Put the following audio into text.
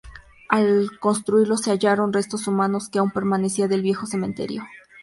Al construirlos se hallaron restos humanos que aún permanecían del viejo cementerio.